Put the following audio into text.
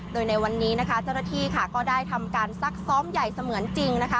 โดยในวันนี้นะคะเจ้าหน้าที่ค่ะก็ได้ทำการซักซ้อมใหญ่เสมือนจริงนะคะ